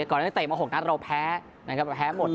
ก่อนนั้นได้เตะมา๖นัทเราแพ้